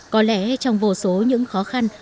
có lẽ trong vô số những khó khăn